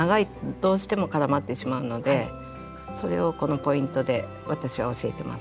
どうしても絡まってしまうのでそれをこのポイントで私は教えてます。